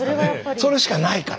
それしかないから。